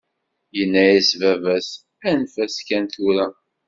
Yenna-as baba-s: Anef-as kan tura.